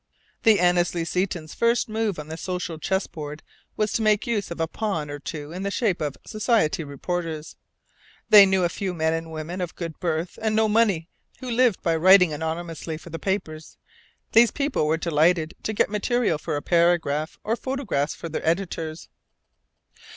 The Annesley Setons' first move on the social chessboard was to make use of a pawn or two in the shape of "society reporters." They knew a few men and women of good birth and no money who lived by writing anonymously for the newspapers. These people were delighted to get material for a paragraph, or photographs for their editors.